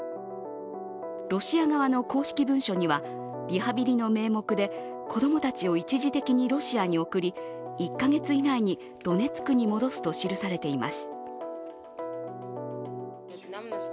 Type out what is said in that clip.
ロシア側の公式文書には、リハビリの名目で子供たちを一時的にロシアに送り、１か月以内にドネツクに戻すと記されています。